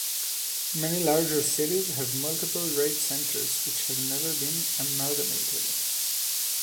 Many larger cities have multiple rate centres which have never been amalgamated.